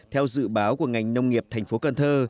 theo dự báo của ngành nông nghiệp thành phố cần thơ